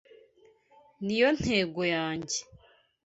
Niyo ntego yanjye